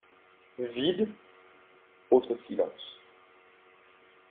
Vide ? Autre silence.